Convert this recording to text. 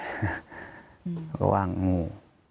ซึ่งก็วางหมู่